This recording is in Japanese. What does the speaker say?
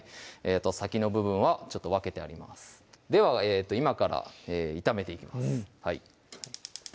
先の部分はちょっと分けてありますでは今から炒めていきます